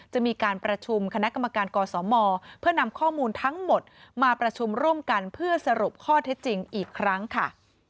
จะมีการประชุมคณะกรรมการกศมเพื่อนำข้อมูลทั้งหมดมาประชุมร่วมกันเพื่อสรุปข้อเท็จจริงอีกครั้งค่ะ